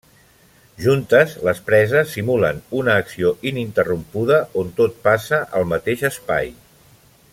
Juntes, les preses simulen una acció ininterrompuda on tot passa al mateix espai.